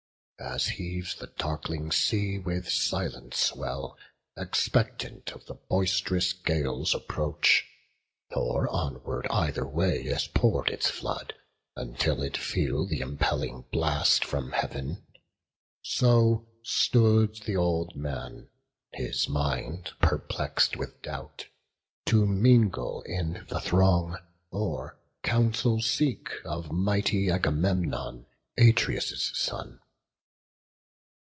As heaves the darkling sea with silent swell, Expectant of the boist'rous gale's approach; Nor onward either way is pour'd its flood, Until it feel th' impelling blast from Heav'n; So stood th' old man, his mind perplex'd with doubt, To mingle in the throng, or counsel seek Of mighty Agamemnon, Atreus' son.